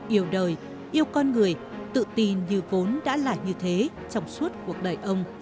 yêu đời yêu con người tự tin như vốn đã là như thế trong suốt cuộc đời ông